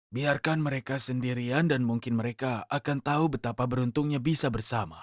biarkan mereka sendirian dan mungkin mereka akan tahu betapa beruntungnya bisa bersama